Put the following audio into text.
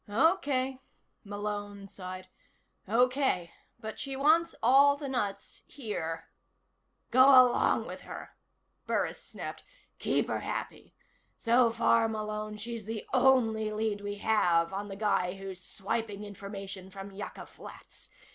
"Okay," Malone sighed. "Okay. But she wants all the nuts here." "Go along with her," Burris snapped. "Keep her happy. So far, Malone, she's the only lead we have on the guy who's swiping information from Yucca Flats.